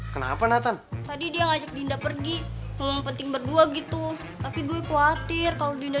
kenapa natan tadi dia ngajak dinda pergi penting berdua gitu tapi gue khawatir kalau dinda